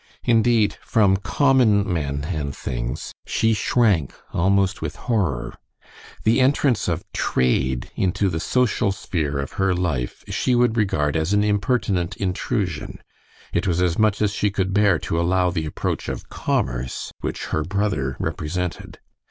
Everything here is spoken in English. Indeed, from common men and things she shrank almost with horror. The entrance of "trade" into the social sphere of her life she would regard as an impertinent intrusion. It was as much as she could bear to allow the approach of "commerce," which her brother represented.